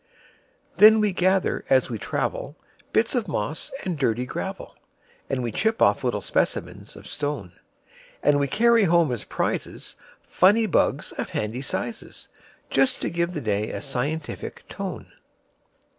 Then we gather as we travel, Bits of moss and dirty gravel, And we chip off little specimens of stone; And we carry home as prizesFunny bugs, of handy sizes, Just to give the day a scientific tone.